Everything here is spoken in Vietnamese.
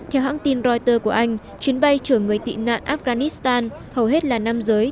theo hãng tin reuters của anh chuyến bay chở người tị nạn afghanistan hầu hết là nam giới